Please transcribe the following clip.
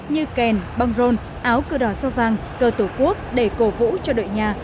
như kèn băng rôn áo cửa đỏ sao vàng cờ tổ quốc để cầu vũ cho đội nhà